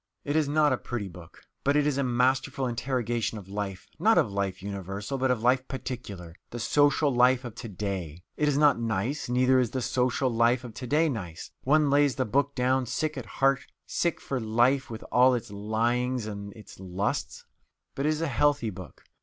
It is not a pretty book, but it is a masterful interrogation of life not of life universal, but of life particular, the social life of to day. It is not nice; neither is the social life of to day nice. One lays the book down sick at heart sick for life with all its "lyings and its lusts." But it is a healthy book.